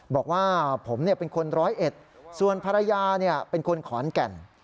บอกว่าผมเป็นคนร้อยเอ็ดส่วนภรรยาเป็นคนขอนแก่น